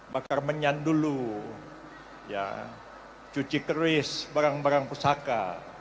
bakar menyan dulu cuci keris barang barang pusaka